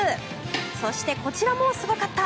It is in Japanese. そして、こちらもすごかった。